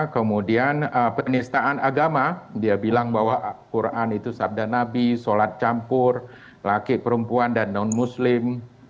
kemudian penistaan agama dia bilang bahwa al quran itu sabda nabi sholat campur laki perempuan dan non muslim